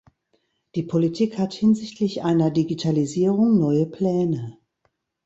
Die Politik hat hinsichtlich einer Digitalisierung neue Pläne.